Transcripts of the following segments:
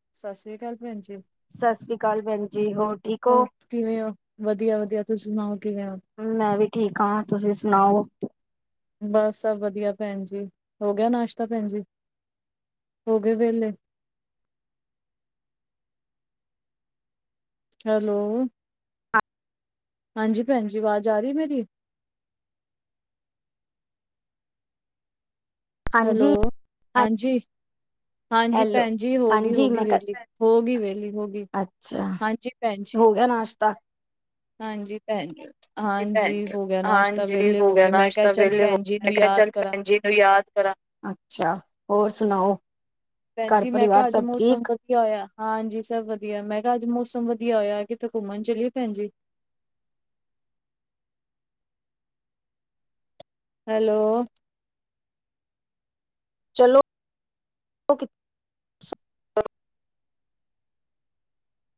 ਸਤਿ ਸ੍ਰੀ ਅਕਾਲ ਭੈਣ ਜੀ, ਸਤਿ ਸ਼੍ਰੀ ਅਕਾਲ ਭੈਣ ਜੀ ਹੋਰ ਠੀਕ ਹੋਰ ਹੋ, ਕਿਵੇਂ ਹੋ, ਵਧੀਆ-ਵਧੀਆ ਤੁਸੀਂ ਸੁਣਾਓ ਕਿਵੇਂ ਹੋ। ਮੈਂ ਵੀ ਠੀਕ ਹਾਂ ਤੁਸੀਂ ਸੁਣਾਓ? ਬਸ ਸਭ ਵਧੀਆ ਭੈਣ ਜੀ ਹੋ ਗਿਆ ਨਾਸ਼ਤਾ ਭੈਣ ਜੀ, ਹੋ ਗਏ ਵਿਹਲੇ। ਹੈਲੋ ਹਾਂਜੀ ਭੈਣ ਜੀ ਆਵਾਜ਼ ਆ ਰਹੀ ਮੇਰੀ? ਹੈਲੋ, ਹਾਂਜੀ ਹਾਂ ਹਾਂਜੀ। ਹਾਂਜੀ ਹੈਲੋ ਭੈਣ ਜੀ ਹੋ ਗਈ ਹੋ ਹਾਂਜੀ ਗਈ ਮੈਂ ਵਿਹਲੀ ਹੋ ਗਈ ਵਿਹਲੀ ਹੋ ਗਈ ਅੱਛਾ ਹਾਂਜੀ। ਭੈਣ ਜੀ, ਹੋ ਗਿਆ ਨਾਸ਼ਤਾ। ਹਾਂਜੀ। ਭੈਣ ਭੈਣ ਹਾਂਜੀ ਹੋ ਗਿਆ ਨਾਸ਼ਤਾ ਹਾਂਜੀ ਵਿਹਲੇ ਹੋ ਗਿਆ ਗਏ ਮੈਂ ਕਿਹਾ ਨਾਸ਼ਤਾ ਚੱਲ ਵੇਲੇ ਹੋ ਭੈਣ ਜੀ ਇਹਨੂੰ ਮੈਂ ਕਿਹਾ ਯਾਦ ਚੱਲ ਕਰਾਂ। ਭੈਣ ਜੀ ਯਾਦ ਕਰਾਂ, ਅੱਛਾ ਹੋਰ ਸੁਣਾਓ, ਭੈਣ ਘਰ ਜੀ ਮੈਂ ਪਰਿਵਾਰ ਕਿਹਾ ਅੱਜ ਸਭ ਮੌਸਮ ਠੀਕ। ਵਧੀਆ ਹੋਇਆ ਹਾਂਜੀ ਸਭ ਵਧੀਆ ਮੈਂ ਕਿਹਾ ਅੱਜ ਮੌਸਮ ਵਧੀਆ ਹੋਇਆ ਕਿੱਥੇ ਘੁੰਮਣ ਚਲੀਏ ਭੈਣ ਜੀ। ਹੈਲੋ। ਚਲੋ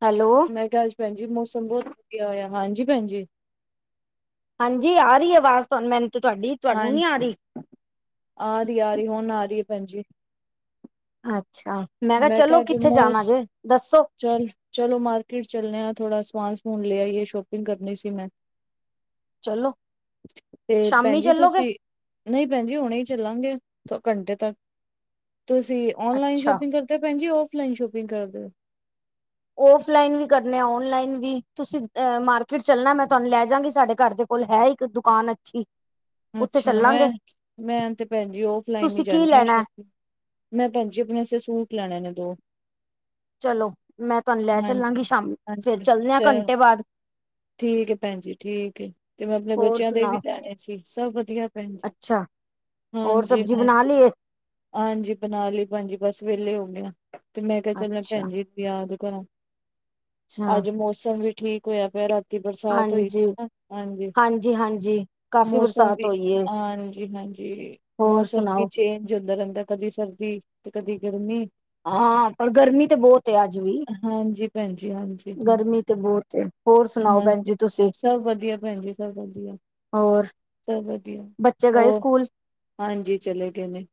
ਹੈਲੋ। ਮੈਂ ਕਿਹਾ ਅੱਜ ਭੈਣੀ ਮੌਸਮ ਬਹੁਤ ਵਧੀਆ ਹੋਇਆ ਹਾਂਜੀ ਭੈਣਜੀ। ਹਾਂਜੀ ਆ ਰਹੀ ਆਵਾਜ਼, ਤੁਹਾਨ ਮੈਨੂੰ ਤਾਂ ਤੁਹਾਡੀ ਤੁਹਾਨੂੰ ਨੀ ਹਾਂਜ, ਆ ਰਹੀ ਆ ਰਹੀ- ਆ ਰਹੀ, ਹੁਣ ਆ ਰਹੀ ਐ ਭੈਣ ਜੀ ਅੱਛਾ, ਮੈਂ ਕਿਆ ਕਿਹਾ ਚਲੋ ਅੱਜ ਕਿੱਥੇ ਮੋਸ ਜਾਣਾ ਜੇ, ਦੱਸੋ ਚੱਲ, ਚਲੋ ਮਾਰਕੀਟ ਚੱਲਣੇ ਆ ਥੋੜਾ ਸਮਾਨ- ਸਮੂਨ ਲੇ ਆਈਏ, ਸ਼ੋਪਿੰਗ ਕਰਨੀ ਸੀ ਮੈਂ ਚਲੋ ਤੇ, ਭੈਣ ਸ਼ਾਮੀ ਜੀ ਚੱਲੋਗੇ ਤੁਸੀਂ ਨਹੀਂ ਭੈਣ ਜੀ ਹੁਣੇ ਹੀ ਚੱਲਾਂਗੇ, ਦੋ ਘੰਟੇ ਤੱਕ, ਤੁਸੀਂ ਓਨਲਾਈਨ ਅੱਛਾ ਸ਼ੋਪ ਫਿਰ ਤਾਂ ਭੈਣ ਜੀ ਔਫਲਾਈਨ ਸ਼ੋਪਿੰਗ ਕਰਦੇ ਓਫਲਾਈਨ ਵੀ ਕਰਨੇ ਆ, ਓਨਲਾਈਨ ਵੀ, ਤੁਸੀਂ ਅ, ਮਾਰਕੀਟ ਚੱਲਣਾ ਮੈਂ ਤੁਹਾਨੂੰ ਲੈ ਜਾਂਗੀ ਸਾਡੇ ਘਰ ਦੇ ਕੋਲ ਹੈ, ਇੱਕ ਦੁਕਾਨ ਅੱਛੀ ਉੱਥੇ ਅੱਛਾ ਚੱਲਾਂਗੇ ਮੈਂ, ਮੈਂ ਤੇ ਭੈਣ ਜੀ ਔਫਲਾਈਨ ਹੀ ਤੁਸੀਂ ਕੀ ਜਾਂਦੀ ਆਂ ਲੈਣਾ ਸ਼ੋਪ ਮੈਂ ਭੈਣ ਜੀ ਆਪਣੇੇ ਵਾਸਤੇ ਸੂਟ ਲੈਣੇ ਨੇ ਦੋ ਚਲੋ, ਮੈਂ ਤੁਹਾਨੂੰ ਲੈ ਚੱਲਾਂਗੀ ਹਾਂਜੀ ਸ਼ਾਮੀ, ਫੇਰ ਹਾਂਜੀ ਚੱਲਦੇ ਆ ਚ ਘੰਟੇ ਬਾਅਦ ਠੀਕ ਐ ਭੈਣ ਜੀ ਠੀਕ ਏ, ਮੈਂ ਆਪਣੇ ਹੋਰ ਬੱਚਿਆਂ ਦੇ ਵੀ ਸੁਣਾਓ ਲੈਣੇ ਸੀ, ਸਭ ਵਧੀਆ ਭੈਣ ਜੀ ਅੱਛਾ ਹੋਰ ਹਾਂਜੀ ਸਬਜ਼ੀ ਬਣਾ ਹਾਂਜੀ ਲਈ ਏ ਹਾਂਜੀ ਬਣਾ ਲੀ ਭੈਣਜੀ ਬਸ ਵੇਹਲੇ ਹੋ ਗਏ ਆਂ, ਤੇ ਮੈਂ ਕਿਆ ਚੱਲਣਾ ਅੱਛਾ ਭੈਣ ਜੀ ਯਾਦ ਕਰਾਂ, ਅੱਛਾ ਅੱਜ ਮੌਸਮ ਵੀ ਠੀਕ ਹੋਇਆ ਪਿਆ ਰਾਤ ਰਾਤੀ ਬਰਸਾਤ ਹੋਈ ਸੀ ਹਾਂਜੀ ਨਾ, ਹਾਂਜੀ, ਹਾਂਜੀ ਕਾਫ਼ੀ ਮੌਸਮ ਬਰਸਾਤ ਵੀ, ਹੋਈ ਏ ਹਾਂਜੀ- ਹਾਂਜੀ ਜੀ, ਹੋਰ ਮੌਸਮ ਕੀ ਸੁਣਾਓ ਚੇਂਜ ਹੁੰਦਾ ਰਹਿੰਦਾ ਕਦੀ ਸਰਦੀ, ਤੇ ਕਦੀ ਗਰਮੀ ਹਾਂ, ਪਰ ਗਰਮੀ ਤੇ ਬਹੁਤ ਆ, ਅੱਜ ਵੀ ਹਾਂਜੀ ਭੈਣ ਜੀ, ਹਾਂਜੀ ਹਾਂਜੀ ਗਰਮੀ ਤੇ ਬਹੁ ਹਾਂਜੀ, ਸਭ ਵਧੀਆ ਭੈਣ ਜੀ, ਸਭ ਵਧੀਆ ਹੋਰ ਸਭ ਵਧੀਆ, ਬੱਚੇ ਗਏ ਹੋਰ ਸਕੂਲ ਹਾਂਜੀ ਚਲੇ ਗਏ ਨੇ,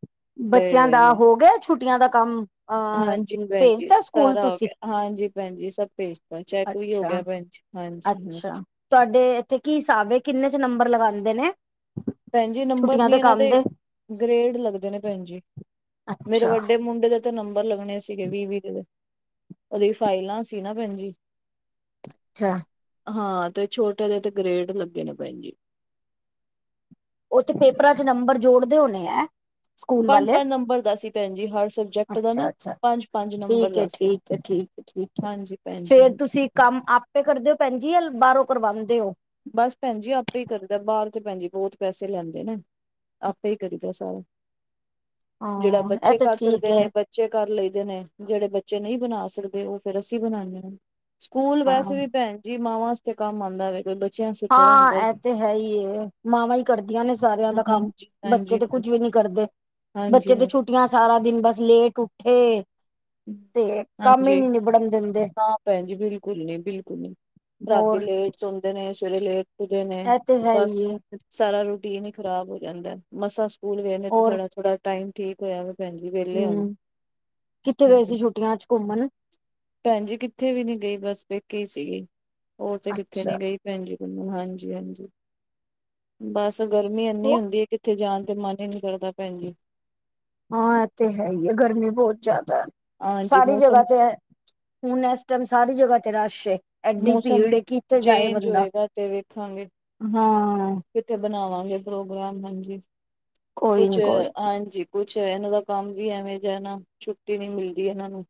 ਗੇਏ ਬੱਚਿਆਂ ਹੋਏ ਦਾ ਨੇ ਹੋ ਗਿਆ ਛੁੱਟੀਆਂ ਦਾ ਕੰਮ, ਅਹ ਹਾਂਜੀ ਭੈਣ ਜੀ ਭੇਜਤਾ ਸਕੂਲ ਸਾਰਾ ਹੋ ਤੁਸੀਂ ਗਿਆ ਹਾਂਜੀ ਭੈਣ ਜੀ, ਸਭ ਭੇਜਤਾ, ਚੈੱਕ ਵੀ ਹੋ ਅੱਛਾ ਗਿਆ ਭੈਣ ਜ ਅੱਛਾ, ਤੁਹਾਡੇ ਇੱਥੇ ਕੀ ਹਿਸਾਬ ਐ, ਕਿੰਨੇ 'ਚ ਨੰਬਰ ਲਗਾਉਦੇ ਨੇ ਭੈਣ ਜੀ ਨੰਬਰ ਨੀ ਇਹਨਾਂ ਦੇ, ਗ੍ਰੇਡ ਲੱਗਦੇ ਨੇ ਭੈਣ ਜੀ, ਮੇਰੇ ਅੱਛਾ ਵੱਡੇ ਮੁੰਡੇ ਦੇ ਤੇ ਨੰਬਰ ਲੱਗਣੇ ਸੀਗੇ ਵੀਹ- ਵੀਹ ਦੇ, ਉਹਦੀ ਫਾਈਲਾਂ ਸੀ ਨਾ ਭੈਣਜੀ ਅੱਛਾ ਹਾਂ, ਤੇ ਛੋਟੇ ਦੇ ਤੇ ਗ੍ਰੇਡ ਲੱਗੇ ਨੇ ਭੈਣ ਜੀ ਓ ਤੇ ਪੇਪਰਾਂ 'ਚ ਨੰਬਰ ਜੋੜਦੇ ਹੋਣੇ ਐ ਸਕੂਲ ਪੰਜ ਵਾਲੇ, ਪੰਜ ਨੰਬਰ ਦਾ ਸੀ ਭੈਣ ਜੀ ਹਰ ਸਬਜੈਕਟ ਦਾ ਨਾ ਅੱਛਾ- ਅੱਛਾ-ਅੱਛਾ, ਪੰਜ ਪੰਜ ਨੰਬਰ ਠੀਕ ਦਾ ਐ, ਸੀ ਠੀਕ ਐ, ਠੀਕ- ਠੀਕ ਹਾਂਜੀ ਭੈਣ ਜੀ ਫਿਰ ਤੁਸੀਂ ਕੰਮ ਆਪੇ ਕਰਦੇ ਓ ਭੈਣਜੀ, ਜਾਂ ਬਾਹਰੋਂ ਕਰਵਾਉਂਦੇ ਓ? ਬਸ ਭੈਣ ਜੀ ਆਪੇ ਹੀ ਕਰਦਾ, ਬਾਹਰ ਤੇ ਭੈਣ ਜੀ ਬਹੁਤ ਪੈਸੇ ਲੈਂਦੇ ਨੇ। ਆਪੇ ਹੀ ਕਰੀਦਾ ਸਾਰਾ, ਜੇੜਾ ਹਾਂ ਇਹ ਬੱਚੇ ਤੇ ਕਰ ਠੀਕ ਸਕਦੇ ਹੈ ਨੇ ਬ ਬੱਚੇ ਕਰ ਲਈਦੇ ਨੇ, ਜੇੜੇ ਬੱਚੇ ਨਹੀਂ ਬਣਾ ਸਕਦੇ ਉਹ ਫਿਰ ਅਸੀਂ ਬਣਾਉਂਣੇ ਆਂ। ਸਕੂਲ ਹਾਂ ਵੈਸੇ ਵੀ ਭੈਣ ਜੀ, ਮਾਵਾਂ ਵਾਸਤੇ ਕੰਮ ਆਉਂਦਾ ਵੇਖ ਲਓ ਹਾਂ, ਐਹ ਤੇ ਹੈ ਹੀ ਐ, ਮਾਵਾਂ ਹੀ ਕਰਦੀਆਂ ਨੇ ਸਾਰਿਆਂ ਦਾ ਕੰਮ। ਬੱਚੇ ਤੇ ਕੁੱਝ ਵੀ ਨੀ ਕਰਦੇ। ਹਾਂਜ ਬੱਚੇ ਤੇ ਛੁੱਟੀਆਂ ਸਾਰਾ ਦਿਨ, ਬਸ ਲੇਟ ਉੱਠੇ। ਤੇ, ਕੰਮ ਹੀ ਹਾਂਜੀ। ਨੀ ਨਿਬੜਨ ਦਿੰਦੇ। ਨਾ ਭੈਣ ਜੀ ਬਿਲਕੁਲ ਹੋਰ। ਸੌਂਦੇ ਨੇ, ਸਵੇਰੇ ਲੇਟ ਉੱਠਦੇ ਨੇ ਇਹ ਤੇ ਹੈ ਬਸ। ਹੀ ਏ ਸਾਰਾ ਰੂਟੀਨ ਈ ਖਰਾਬ ਹੋ ਜਾਂਦਾ‌ ਐ, ਮਸਾਂ ਸਕੂਲ ਗਏ ਨੇ ਹੋਰ ਥੋੜ੍ਹਾ- ਥੋੜ੍ਹਾ ਟਾਇਮ। ਠੀਕ ਹੋਇਆ ਫੇ ਭੈਣਜੀ ਵਿਹਲੇ। ਹਮ ਕਿੱਥੇ ਗਏ ਸੀ ਛੁੱਟੀਆਂ 'ਚ ਘੁੰਮਣ? ਭੈਣਜੀ ਕਿੱਥੇ ਵੀ ਨੀ ਗਈ, ਬਸ ਪੇਕੇ ਸੀਗੀ ਹੋਰ ਤੇ ਕਿੱਥੇ ਅੱਛਾ ਨੀ ਗਈ। ਭੈਣਜੀ ਕੰਨੋਂ ਹਾਂਜੀ- ਹਾਂਜੀ। ਬਸ ਗਰਮੀ ਇੰਨੀ ਹੁੰਦੀ ਐ, ਕਿੱਥੇ ਜਾਣ ਤੇ ਮਨ ਈ ਨੀ ਕਰਦਾ ਭੈਣਜੀ। ਹਾਂ, ਇਹ ਤੇ ਹੈ ਈ ਏ ਗਰਮੀ ਬਹੁਤ ਜ਼ਿਆਦਾ, ਹਾਂਜੀ ਸਾਰੀ ਮੌਸਮ ਜਗਾਂ ਤੇ ਐ ਹੁਣ ਐਸ ਟਾਇਮ ਸਾਰੀ ਜਗਾਂ ਤੇ ਰਸ਼ ਏ। ਐਡੀ ਮੌਸਮ ਭੀੜ ਕਿੱਥੇ ਜਾਏ ਚੇਂਜ ਬੰਦਾ, ਹੋਏਗਾ ਤੇ ਵੇਖਾਂਗੇ ਹੂੰ। ਕਿੱਥੇ ਬਣਾਵਾਂਗੇ ਪ੍ਰੋਗਰਾਮ ਹਾਂਜੀ, ਕੋਈ ਕੁਛ ਨੀ ਕੋਈ ਨੀ ਹਾਂਜੀ। ਕੁਛ ਇਹਨਾਂ ਦਾ ਕੰਮ ਵੀ ਐਵੇਂ ਦਾ ਨਾ, ਛੁੱਟੀ ਨੀ ਮਿਲਦੀ ਇਹਨਾਂ ਨੂੰ।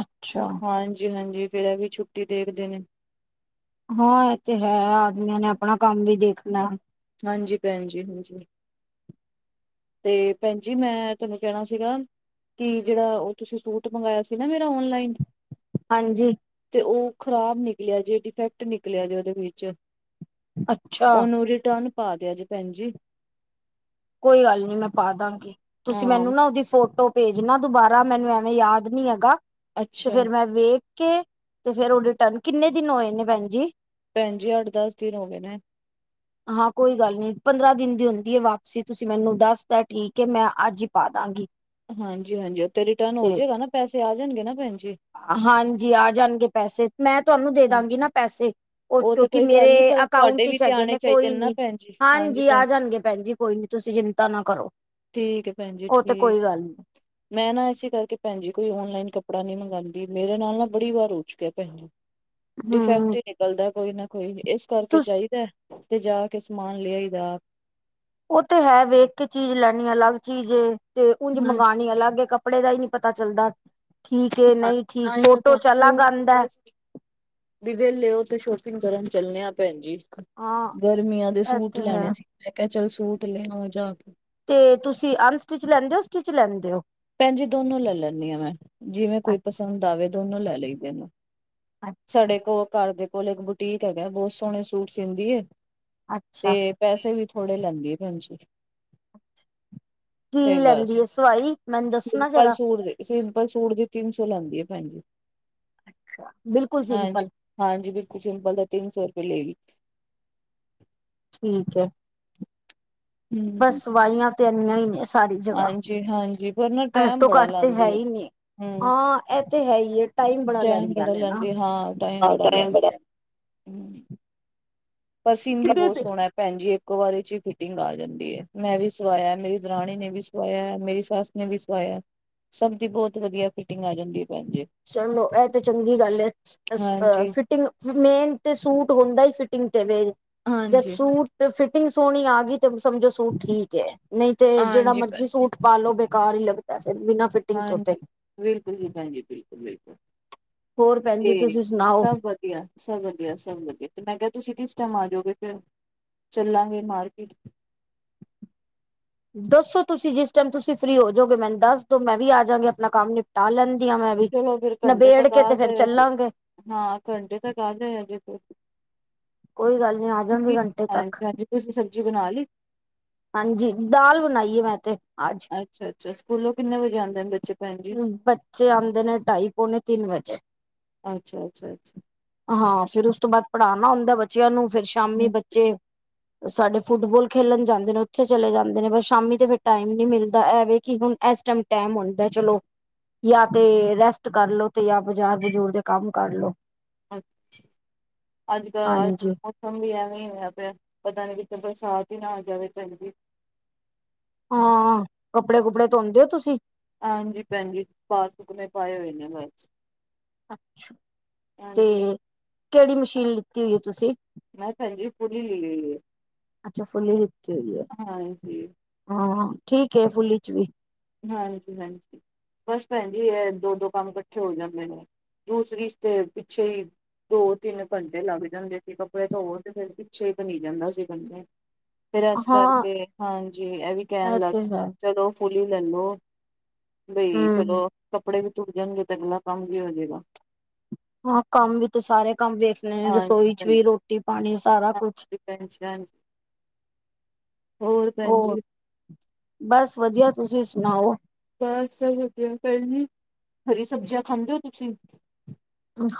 ਅੱਛਾ। ਹਾਂਜੀ- ਹਾਂਜੀ, ਫੇਰ ਐਵੀਂ ਛੁੱਟੀ ਦੇਖਦੇ ਨੇ। ਹਾਂ, ਇਹ ਤੇ ਹੈ ਆਦਮੀਆਂ ਨੇ ਆਪਣਾ ਕੰਮ ਵੀ ਦੇਖਣਾ। ਹਾਂਜੀ ਭੈਣਜੀ, ਹਾਂਜੀ। ਤੇ ਭੈਣਜੀ ਮੈਂ ਤੁਹਾਨੂੰ ਕਹਿਣਾ ਸੀਗਾ। ਕਿ ਜਿਹੜਾ ਉਹ ਤੁਸੀਂ ਸੂਟ ਮੰਗਵਾਇਆ ਸੀ ਨਾ ਮੇਰਾ ਔਨਲਾਈਨ। ਹਾਂਜੀ। ਤੇ ਉਹ ਖ਼ਰਾਬ ਨਿਕਲਿਆ ਜੇ, ਡਿਫੈਕਟ ਨਿਕਲਿਆ ਜੇ ਉਹਦੇ ਵਿੱਚ। ਅੱਛਾ ਉਹਨੂੰ ਰਿਟਰਨ ਪਾ ਦਿਆ ਜੇ ਭੈਣ ਜੀ। ਕੋਈ ਗੱਲ ਨੀ ਮੈਂ ਪਾ ਦਾਂਗੀ, ਤੁਸੀਂ ਹਾਂ ਮੈਨੂੰ ਨਾ ਉਹਦੀ ਫੋਟੋ ਭੇਜਣਾ ਦੁਬਾਰਾ, ਮੈਨੂੰ ਐਵੇਂ ਯਾਦ ਨੀ ਹੈਗਾ ਤੇ ਅੱਛਾ ਫੇਰ ਮੈਂ ਵੇਖ ਕੇ ਤੇ ਫੇਰ ਉਹ ਰਿਟਰਨ ਕਿੰਨੇ ਦਿਨ ਹੋਏ ਨੇ ਭੈਣਜੀ। ਭੈਣਜੀ ਅੱਠ- ਦਸ ਦਿਨ ਹੋਗੇ ਨੇ। ਹਾਂ, ਕੋਈ ਗੱਲ ਨੀ ਪੰਦਰਾਂ ਦਿਨ ਦੀ ਹੁੰਦੀ ਏ ਵਾ ਵਾਪਸੀ, ਤੁਸੀਂ ਮੈਨੂੰ ਦੱਸ ਤਾਂ ਠੀਕ ਏ ਮੈਂ ਅੱਜ ਈ ਪਾਦਾਗੀ। ਹਾਂਜੀ- ਹਾਂਜੀ, ਉੱਥੇ ਰਿਟਰਨ ਹੋਜੇਂਗਾ ਨਾ ਪੈਸੇ ਆ ਜਾਂਣਗੇ ਨਾ ਭੈਣਜੀ। ਹਾਂਜੀ, ਆ ਜਾਣਗੇ ਪੈਸੇ ਮੈਂ ਤੁਹਾਨੂੰ ਦੇ ਦਾਂਗੀ ਅੱਛਾ ਨਾ ਪੈਸੇ। ਉਹ ਤਾਂ ਕਿਉਂਕਿ ਕੋਈ ਗੱਲ ਨੀ ਮੇਰੇ ਪਰ ਤੁਹਾਡੇ ਅਕਾਊਂਟ ਵੀ ਵਿਚ ਤੇ ਹੈਗੇ ਆਣੇ ਨੇ ਚਾਹੀਦੇ ਕੋਈ ਨਾ ਨੀ, ਭੈਣ ਜੀ ਹਾਂਜੀ ਭੈਣ ਆ ਜੀ, ਜਾਣਗੇ ਭੈਣਜੀ। ਕੋਈ ਨੀ ਤੁਸੀਂ ਚਿੰਤਾ ਨਾ ਕਰੋ? ਠੀਕ ਐ ਭੈਣਜੀ ਉਹ ਤੇ ਕੋਈ ਗੱਲ ਨੀ ਠੀਕ। ਮੈਂ ਨਾ ਇਸੇ ਕਰਕੇ ਭੈਣਜੀ ਕੋਈ ਔਨਲਾਈਨ ਕੱਪੜਾ ਨੀਂ ਮੰਗਾਦੀ, ਮੇਰੇ ਨਾਲ ਨਾ ਬੜੀ ਵਾਰ ਹੋ ਚੁੱਕਿਆ ਭੈਣਜੀ। ਡਿਫੈਕਟ ਹਮ ਈ ਨਿਕਲਦਾ ਕੋਈ ਨਾ ਕੋਈ ਇਸ ਕਰਕੇ ਤੁਸ ਜਾਈਦਾ ਤੇ ਜਾ ਕੇ ਸਮਾਨ ਲੇ ਆਈ ਦਾ। ਉਹ ਤੇ ਹੈ ਵੇਖ ਕੇ ਚੀਜ਼ ਲੈਣੀ ਅਲੱਗ ਚੀਜ਼ ਏ, ਤੇ ਉਝ ਹਾਂ ਮੰਗਾਣੀ ਅਲੱਗ ਏ ਕੱ ਕੱਪੜੇ ਦਾ ਹੀ ਨੀਂ ਪਤਾ ਚੱਲਦਾ, ਠੀਕ ਏ ਨਹੀਂ ਠੀਕ ਤਾਂ ਹੀ ਮੈਂ ਫ਼ੋਟੋ 'ਚ ਅਲੱਗ ਆਂਦਾ ਐ। ਜੇ ਵਿਹਲੇ ਓ ਤੇ ਸ਼ੋਪਿੰਗ ਕਰਨ ਚੱਲਨੇ ਆ ਭੈਣਜੀ, ਹਾਂ ਗਰਮੀਆਂ ਦੇ ਇਹ ਸੂਟ ਤੇ ਹੈ ਲੈਣੇ ਸੀ। ਮੈਂ ਕਿਹਾ ਚਲ ਸੂਟ ਲੈ ਆਵਾਂ ਜਾ ਕੇ। ਤੇ ਤੁਸੀਂ ਅਨਸਟਿਚ ਲੈਂਦੇ ਓ, ਸਟਿਚ ਲੈਂਦੇ ਓ। ਭੈਣਜੀ ਦੋਨੋਂ ਲੈ ਲੈਂਨੀ ਆ ਮੈ, ਜਿਵੇਂ ਕੋਈ ਅੱਛਾ ਪਸੰਦ ਆਵੇ ਦੋਨੋਂ ਲੈ ਲਈਦੇ ਨੇਂ। ਅੱਛਾ ਸਾਡੇ ਕੋਲ ਘਰ ਦੇ ਕੋਲ ਇੱਕ ਬੁਟੀਕ ਹੈਗਾ, ਬਹੁਤ ਸੋਹਣੇ ਸੂਟ ਸੀਦੀ ਏ। ਅੱਛਾ ਤੇ ਪੈਸੇ ਵੀ ਥੋੜੇ ਲੈਂਦੇ ਏ ਭੈਣਜੀ। ਕੀ ਲੈਂਦੀ ਏ ਸਵਾਈ? ਮੈਨੂੰ ਦੱਸਣਾ ਸਿੰਪਲ ਜਰਾ ਸੂਟ ਦੇ, ਸਿੰਪਲ ਸੂਟ ਦੀ ਤਿੰਨ ਸੌ ਲੈਂਦੀ ਏ ਭੈਣਜੀ। ਬਿਲਕੁਲ ਹਾਂਜੀ- ਸਿੰਪਲ ਹਾਂਜੀ, ਬਿਲਕੁਲ ਸਿੰਪਲ ਦੇ ਤਿੰਨ ਸੌ ਰੁਪਏ ਲਏਗੀ। ਠੀਕ ਐ, ਹੂੰ ਬਸ ਸਵਾਈਆਂ ਤੇ ਐਨੀਆਂ ਹੀ ਨੇ। ਸਾਰੀ ਜਗ੍ਹਾ, ਹਾਂਜੀ ਹਾਂਜੀ ਪਰ ਨਾ ਇਸ ਟਾਈਮ ਤੋਂ ਬੜਾ ਘੱਟ ਤੇ ਹੈ ਲਾਂਦੀ ਹੀ ਨੀ ਹੂੰ ਹਾਂ। ਐ ਤੇ ਹੈ ਹੀ ਏ ਟਾਈਮ ਬੜਾ ਲੈਂਦੀਆਂ ਨੇ ਨਾ, ਹਾਂ ਟਾਈਮ ਬੜਾ। ਹੂੰ ਪਰ ਸੀਦੀ ਕਿੰਨੇ ਦੇ ਬਹੁਤ ਸੋਹਣਾ। ਭੈਣ ਜੀ ਇੱਕੋ ਵਾਰੀ ਚ ਫਿਟਿੰਗ ਆ ਜਾਂਦੀ ਏ, ਮੈਂ ਵੀ ਸਵਾਇਆ, ਮੇਰੀ ਦਰਾਣੀ ਨੇ ਵੀ ਸਵਾਇਆ, ਮੇਰੀ ਸੱਸ ਨੇ ਵੀ ਸਵਾਇਆ, ਸਭ ਦੀ ਬਹੁਤ ਵਧੀਆ ਫਿਟਿੰਗ ਆ ਜਾਂਦੀ। ਭੈਣ ਜੀ ਚਲੋ ਐ ਤੇ ਚੰਗੀ ਗੱਲ ਐ ਅ ਹਾਂਜੀ ਫਿਟ ਫਿਰ ਮੇਨ ਤੇ ਸੂਟ ਹੁੰਦਾ ਹੀ ਫਿਟਿੰਗ ਤੇ ਵੇ ਜਦ ਹਾਂਜੀ ਸੂਟ ਤੇ ਫਿਟਿੰਗ ਸੋਹਣੀ ਆ ਗਈ ਤੇ ਸਮਝੋ ਸੂਟ ਠੀਕ ਏ, ਨਹੀਂ ਤੇ ਜਿਹੜਾ ਹਾਂਜੀ ਭੈ ਮਰਜ਼ੀ ਸੂਟ ਪਾਲੋ ਬੇਕਾਰ ਹੀ ਲੱਗਦਾ ਫਿਰ ਵੀ ਨਾ ਹਾਂਜੀ, ਬਿਲਕੁਲ ਜੀ ਭੈਣਜੀ ਬਿਲਕੁਲ ਬਿਲਕੁਲ, ਹੋਰ ਭੈਣ ਜੀ ਤੇ ਤੁਸੀਂ ਸੁਣਾਓ ਸਭ ਵਧੀ ਵਧੀਆ ਸਭ ਵਧੀਆ ਸਭ ਵਧੀਆ ਤੇ ਮੈਂ ਕਿਹਾ ਤੁਸੀਂ ਕਿਸ ਟਾਈਮ ਆ ਜੋਗੇ ਫੇਰ ਚੱਲਾਂਗੇ ਮਾਰਕੀਟ। ਦੱਸੋ ਤੁਸੀਂ ਜਿਸ ਟਾਈਮ ਤੁਸੀਂ ਫ੍ਰਰੀ ਹੋ ਜੋਗੇ, ਮੈਨੂੰ ਦੱਸ ਦੋ ਮੈਂ ਵੀ ਆ ਜਾਗੀ ਆਪਣਾ ਕੰਮ ਨਿਪ ਟਾ ਲੈਂਦੀ ਆ ਮੈਂ ਵੀ, ਚਲੋ ਫਿਰ ਘੰਟੇ ਨਬੇੜ ਤੱਕ ਕੇ ਆ ਤੇ ਫੇਰ ਜਾਇਆ ਜੇ ਚੱਲਾਂਗੇ। ਹਾਂ ਘੰਟੇ ਤਕ ਆ ਜਾਵਾਂਗੇ ਫੇਰ। ਕੋਈ ਗੱਲ ਨਹੀਂ ਆ ਜਾ ਗੇ ਘੰਟੇ ਤੱਕ। ਹਾਂਜੀ ਹਾਂਜੀ ਤੁਸੀਂ ਸਬਜ਼ੀ ਬਣਾ ਲਈ? ਹਾਂਜੀ, ਦਾਲ ਬਣਾਈ ਏ ਮੈਂ ਤੇ ਅੱਜ। ਅੱਛਾ ਅੱਛਾ, ਸਕੂਲੋਂ ਕਿੰਨੇ ਵਜੇ ਆਂਦੇ ਨੇ ਬੱਚੇ? ਭੈਣ ਜੀ ਬੱਚੇ ਆਂਦੇ ਨੇ ਢਾਈ ਪੋਣੇ ਤਿੰਨ ਵਜੇ। ਅੱਛਾ ਅੱਛਾ ਅੱਛਾ ਹਾਂ, ਫਿਰ ਉਸ ਤੋਂ ਬਾਅਦ ਪੜ੍ਹਾਣਾ ਹੁੰਂਦਾ ਬੱਚਿਆਂ ਨੂੰ, ਫੇਰ ਸ਼ਾਮੀ ਬੱਚੇ ਸਾਡੇ ਫੁੱਟਬੋਲ ਖੇਲਣ ਜਾਂਦੇ ਨੇ ਉੱਥੇ ਚਲੇ ਜਾਂਦੇ ਨੇ ਬਸ ਸ਼ਾਮੀ ਤੇ ਫਿਰ ਟਾਈਮ ਨੀ ਮਿਲਦਾ ਐਵੇ ਕਿ ਹੁਣ ਐਸ ਐਸ ਟਾਈਮ ਹੁੰ ਮੈਂ ਕਿਆ ਚਲੋ ਜਾਂ ਤੇ ਰੈਸਟ ਕਰਲੋ ਤੇ ਜਾਂ ਬਾਜ਼ਾਰ ਬਜ਼ੂਰ ਦੇ ਕੰਮ ਕਰਲੋ। ਅੱਛਾ, ਅੱਜ ਕੱਲ ਹਾਂਜੀ ਮੌਸਮ ਵੀ ਐਵੇ ਹੋਇਆ ਪਿਆ, ਪਤਾ ਨੀ ਕਿਤੇ ਬਰਸਾਤ ਹੀ ਨਾ ਆ ਜਾਵੇ ਭੈਣ ਜੀ। ਹਾਂ ਕੱਪੜੇ ਕੁਪੜੇ ਧੋੋਂਦੇ ਹੋ ਤੁਸੀਂ? ਹਾਂਜੀ ਭੈਣਜੀ ਬਾਹਰ ਸੁੱਕਣੇ ਪਾਏ ਹੋਏ ਨੇ। ਅੱਛਾ, ਤੇ ਹਾਂਜੀ ਕਿਹੜੀ ਮਸ਼ੀਨ ਲਿੱਤੀ ਹੋਈ ਤੁਸੀਂ? ਮੈਂ ਭੈਣ ਜੀ ਫੁਲ ਹੀ ਲਈ ਹੋਈ ਏ, ਅੱਛਾ ਫੁੱਲੀ ਲਿੱਤੀ ਹੋਈ ਹੈ ਹਾਂਜੀ। ਹਾਂ, ਠੀਕ ਏ ਫੁਲ ਵਿਚ ਵੀ। ਹਾਂਜੀ ਹਾਂਜੀ, ਬਸ ਭੈਣ ਜੀ ਐ ਦੋ ਦੋ ਕੰਮ ਇਕੱਠੇ ਹੋ ਜਾਂਦੇ ਨੇ। ਦੂਸਰੀ ਇਸ ਤੇ ਪਿੱਛੇ ਹੀ ਦੋ ਤਿੰਨ ਘੰਟੇ ਲੱਗ ਜਾਂਦੇ ਸੀ, ਕੱਪੜੇ ਧੋਵੋ ਤੇ ਫਿਰ ਪਿੱਛੇ ਹੀ ਭਰੀ ਜਾਂਦਾ ਸੀ ਗੰਦੇ। ਫੇਰ ਇਸ ਹਾਂ ਕਰਕੇ ਹਾਂਜੀ, ਐ ਵੀ ਕਹਿਣ ਇਹ ਤੇ ਲੱਗ ਹੈ ਚਲੋ ਫੁਲੀ ਲੈ ਲੋ। ਬਈ ਹਮ ਚਲੋ ਕੱਪੜੇ ਵੀ ਧੁਪ ਜਾਣਗੇ ਤੇ ਅਗਲਾ ਕੰਮ ਵੀ ਹੋ ਜਏਗਾ। ਹਾਂ ਕੰਮ ਵੀ ਤੇ ਸਾਰੇ ਕੰਮ ਵੇ ਵੇਖਣੇ ਤੇ ਹਾਂਜੀ ਰਸੋਈ ਚ ਭੈਣ ਵੀ ਰੋਟੀ ਪਾਣੀ ਸਾਰਾ ਕੁਛ [unintelligible] ਹੋਰ ਭੈਣ ਜੀ? ਬਸ ਵਧੀਆ, ਤੁਸੀਂ ਸੁਣਾਓ? ਬਸ ਵਧੀਆ ਭੈਣ ਜੀ, ਹਰੀ ਸਬਜ਼ੀਆਂ ਖਾਂਦੇ ਹੋ ਤੁਸੀਂ?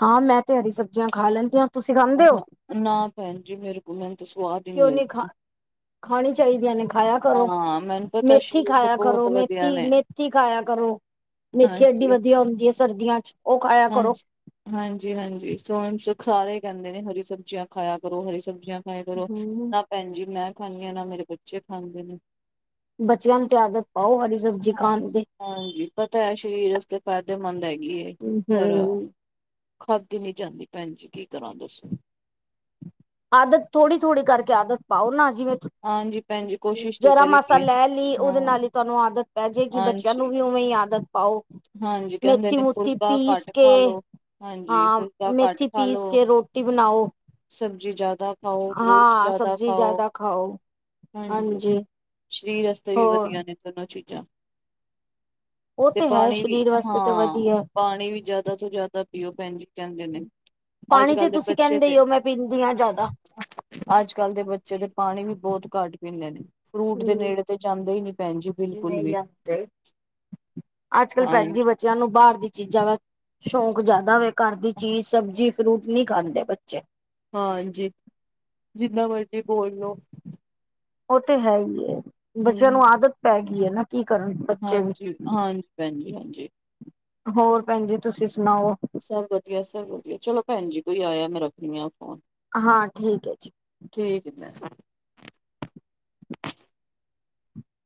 ਹਾਂ ਮੈਂ ਤੇ ਹਰੀ ਸਬਜ਼ੀਆਂ ਖਾ ਲੈਂਦੀ ਆ। ਅਹਾ ਨਾ ਭੈਣ ਜੀ ਮੇਰੇ ਕੋਲ ਮੈਨੂੰ ਤੇ ਸਵਾਦ ਹੀ ਕਿਉੰ ਨੀ ਖਾ, ਲੱਗਦੀ ਖਾਣੀ ਚਾਈਦੀਆਂ ਨੇ ਖਾਇਆ ਕਰੋ, ਹਾਂ ਮੈਨੂੰ ਪਤਾ ਮੇਥੀ ਸਰੀਰ ਸੇ ਖਾਇਆ ਬਹੁਤ ਕਰੋ, ਵਧੀਆ ਮੇਥੀ, ਨੇ ਮੇਥੀ ਖਾਇਆ ਕਰੋ। ਮੇਥੀ ਐਡੀ ਹਾਂਜੀ ਵਧੀਆ ਹੁੰਦੀ ਏ ਸਰਦੀਆਂ 'ਚ ਓ ਖਾਇਆ ਕਰੋ। ਹਾਂਜੀ-ਹਾਂਜੀ ਸੋਣ ਸੁਖ ਸਾਰੇ ਕੈਂਦੇ ਨੇ ਹਰੀ ਸਬਜ਼ੀਆਂ ਖਾਇਆ ਕਰੋ, ਹਰੀ ਸਬਜ਼ੀਆਂ ਖਾਇਆ ਕਰੋ ਹਮ ਨਾ ਭੈਣ ਜੀ ਮੈਂ ਖਾਂਨੀ ਆ, ਨਾ ਮੇਰੇ ਬੱਚੇ ਖਾਂਦੇ ਨੇ। ਬੱਚਿਆਂ ਨੂੰ ਤੇ ਆਦਤ ਪਾਓ ਹਰੀ ਸਬਜ਼ੀ ਹਾਂ ਖਾਣ ਦੀ। ਹਾਂਜੀ ਪਤਾ ਐ ਸ਼ਰੀਰ ਵਾਸਤੇ ਫ਼ਾਇਦੇਮੰਦ ਹੈਗੀ ਏ ਪਰ ਹਮ ਖਾਂਦੀ ਨੀ ਜਾਂਦੀ ਭੈਣ ਜੀ ਕੀ ਕਰਾਂ ਦੱਸੋ। ਆਦਤ ਥੋੜੀ-ਥੋੜੀ ਕਰਕੇ ਆਦਤ ਪਾਓ ਨਾ ਜਿਵੇਂ ਹਾਂਜੀ ਭੈਣ ਜੀ ਕੋਸ਼ਿਸ਼ ਤੇ ਜਰਾ ਕਰੀ ਮਸਾਂ ਦੀ ਏ ਲੈ ਲੀ ਉਦੇ ਹਾਂ ਨਾਲ ਈ ਤੁਹਾਨੂੰ ਆਦਤ ਪੈ ਜੇਗੀ, ਬੱਚਿਆਂ ਨੂੰ ਹਾਂਜੀ ਵੀ ਉ ਵੇ ਈ ਆਦਤ ਪਾਓ। ਹਾਂਜੀ ਕਹਿੰਦੇ ਮੇਥੀ ਨੇ ਮੁਥੀ ਫੁਲਕਾ ਪੀਸ ਘੱਟ ਖਾ ਕੇ, ਲੋ ਹਾਂਜੀ ਹਾਂ ਫੁਲਕਾ ਘੱਟ ਮੇਥੀ ਖਾ ਪੀਸ ਲੋ ਕੇ ਰੋ ਟੀ ਬਣਾਓ। ਸਬਜ਼ੀ ਜਿਆਦਾ ਖਾਓ, ਫਰੂਟ ਹਾਂ ਜਿਆਦਾ ਸਬਜ਼ੀ ਖਾਓ। ਜ਼ਿਆਦਾ ਖਾਓ ਹਾਂਜੀ ਸ਼ਰੀਰ ਵਾਸਤੇ ਵੀ ਹੋਰ ਵਧੀਆ ਨੇ ਦੋਨੋਂ ਚੀਜ਼ਾਂ। ਉਹ ਤੇ ਤੇ ਹੈ ਪਾਣੀ ਵੀ ਸਰੀਰ ਵਾਸਤੇ ਤੇ ਹਾਂ ਵਧੀਆ ਪਾਣੀ ਵੀ ਜਿਆਦਾ ਤੋਂ ਜਿਆਦਾ ਪੀਓ ਭੈਣ ਜੀ ਕੈਂਦੇ ਨੇ ਪਾਣੀ ਤੇ ਅੱਜ-ਕੱਲ ਦੇ ਤੁਸੀਂ ਬੱਚੇ ਕਹਿੰਦੇ 'ਤੇ ਹੀ ਹੋ ਮੈਂ ਪੀਂਦੀ ਹਾਂ ਜ਼ਿਆਦਾ ਅੱਜ-ਕੱਲ ਦੇ ਬੱਚੇ ਦੇ ਪਾਣੀ ਵੀ ਬੋਤ ਘੱਟ ਪੀਦੇ ਨੇ, ਫਰੂਟ ਦੇ ਹਮ ਨੇੜੇ ਤੇ ਜਾਂਦੇ ਈ ਨੀ ਭੈਣ ਜੀ ਬਿਲਕੁੱਲ ਵੀ। ਅੱਜ-ਕੱਲ ਹਾਂ ਭੈਣ ਜੀ ਬੱਚਿਆਂ ਨੂੰ ਬਾਰ ਦੀ ਚੀਜ਼ਾਂ ਵ ਸ਼ੌਕ ਜਿਆਦਾ ਵੇ ਘਰ ਦੀ ਚੀਜ਼ ਸਬਜ਼ੀ, ਫਰੂਟ ਨੀ ਖਾਂਦੇ ਬੱਚੇ। ਹਾਂਜੀ, ਜਿੱਦਾ ਮਰਜ਼ੀ ਬੋਲ ਲੋ ਓ ਤੇ ਹੈ ਈ ਏ ਬੱਚਿਆਂ ਨੂੰ ਹੂੰ ਆਦਤ ਪੈਗੀ ਏ ਨਾ ਕੀ ਕਰਨ ਬੱਚੇ ਵੀ। ਹਾਂ। ਭੈਣ ਜੀ ਹਾਂਜੀ। ਹੋਰ ਭੈਣ ਜੀ ਤੁਸੀਂ ਸੁਣਾਓ? ਸਭ ਵਧੀਆ, ਸਭ ਵਧੀਆ ਚਲੋ ਭੈਣ ਜੀ ਕੋਈ ਆਇਆ ਮੈਂ ਰੱਖਣੀ ਆ ਫ਼ੋਨ। ਹਾਂ ਠੀਕ ਏ ਜੀ। ਠੀਕ ਏ ਭੈਣ।